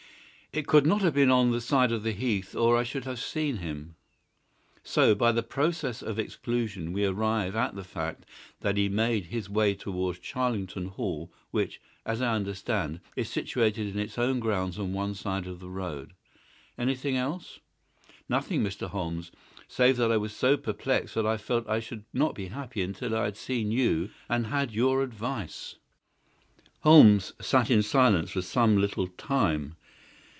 "It could not have been on the side of the heath or I should have seen him." "So by the process of exclusion we arrive at the fact that he made his way towards Charlington Hall, which, as I understand, is situated in its own grounds on one side of the road. Anything else?" "Nothing, Mr. Holmes, save that I was so perplexed that I felt I should not be happy until I had seen you and had your advice." Holmes sat in silence for some little time.